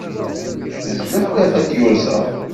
Tezla tlata n tyuẓaḍ.